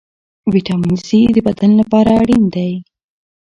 ویټامین سي د بدن لپاره اړین دی.